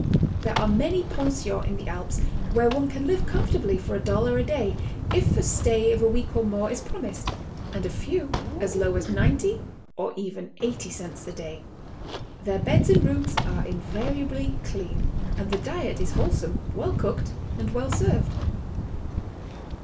There are many pen sions in the Alps where one can live comfortably for a dollar 142 GOING ABROAD? a day it a stay of a week or more is promised, and a few as low as 90 or even 80 cents a day. Their beds and rooms are invariably clean, and the diet is wholesome, well cooked and well served.